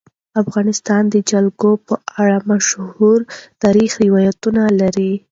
افغانستان د جلګه په اړه مشهور تاریخی روایتونه لري.